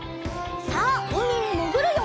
さあうみにもぐるよ！